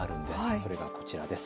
それがこちらです。